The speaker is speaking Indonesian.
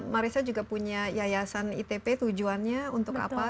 marisa juga punya yayasan itp tujuannya untuk apa